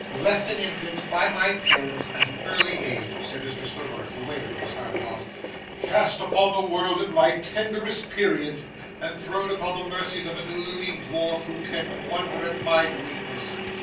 'Left an infant by my parents, at an early age,' said Mr Swiveller, bewailing his hard lot, 'cast upon the world in my tenderest period, and thrown upon the mercies of a deluding dwarf, who can wonder at my weakness!